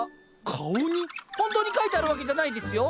本当に書いてあるわけじゃないですよ。